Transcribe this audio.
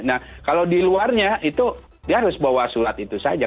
nah kalau di luarnya itu dia harus bawa surat itu saja